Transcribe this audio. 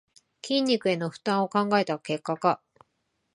筋肉への負担を考えた結果か